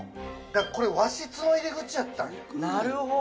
和室の入り口やったんや。